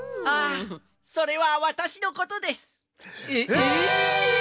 あそれはわたしのことです。え！？